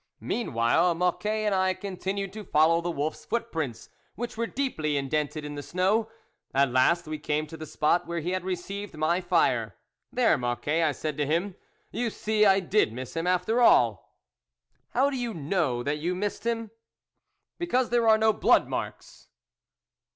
Meanwhile, Mocquet and I continued to follow the wolfs footprints, which were deeply indented in the snow. At last we came to the spot where he had received my fire. " There, Mocquet," I said to him, " you see I did miss him after all !" "How do you know that you missed him ?"" Because there are no blood marks."